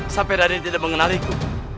sampai raden tidak mengenaliku